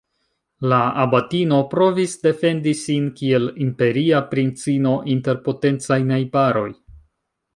La abatino provis defendi sin kiel imperia princino inter potencaj najbaroj.